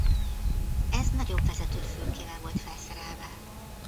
Ez nagyobb vezetőfülkével volt felszerelve.